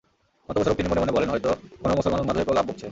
মন্তব্যস্বরূপ তিনি মনে মনে বলেন, হয়ত কোন মুসলমান উন্মাদ হয়ে প্রলাপ বকছে।